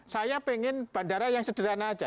saya pengen bandara yang sederhana aja